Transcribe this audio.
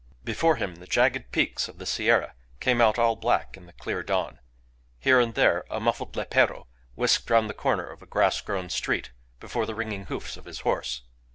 Before him the jagged peaks of the Sierra came out all black in the clear dawn. Here and there a muffled lepero whisked round the corner of a grass grown street before the ringing hoofs of his horse.